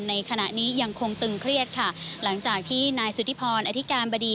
ในขณะนี้ยังคงตึงเครียดค่ะหลังจากที่นายสุธิพรอธิการบดี